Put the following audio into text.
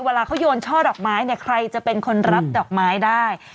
เวลาเขาโยนช่อดอกไม้เนี่ยใครจะเป็นคนรับดอกไม้ได้